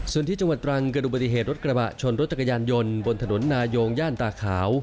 ส่วนที่จังหวัดตรังเกิดอุบัติเหตุรถกระบะชนรถจักรยานยนต์บนถนนนายงย่านตาขาว